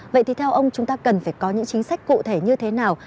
vậy thì theo ông chúng ta cần phải có những chính sách cụ thể như thế nào